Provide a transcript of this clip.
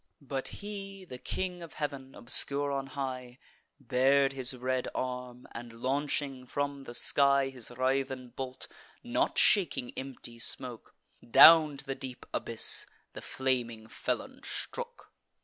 But he, the King of Heav'n, obscure on high, Bar'd his red arm, and, launching from the sky His writhen bolt, not shaking empty smoke, Down to the deep abyss the flaming felon strook.